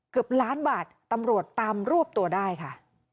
เกือบล้านบาทตำรวจตามรวบตัวได้ค่ะ